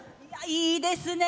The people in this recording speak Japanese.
いいですね。